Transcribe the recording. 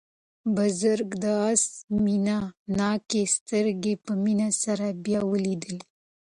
بزګر د آس مینه ناکې سترګې په مینه سره بیا ولیدلې.